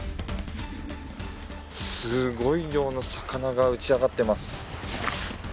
すごい量の魚がうち上がっています。